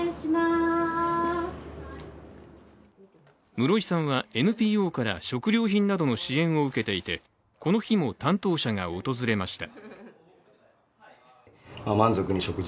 室井さんはＮＰＯから食料品などの支援を受けていて、この日も担当者が訪れました。